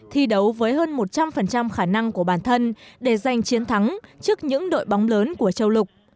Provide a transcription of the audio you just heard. thi đấu với hơn một trăm linh khả năng của bản thân để giành chiến thắng trước những đội bóng lớn của châu lục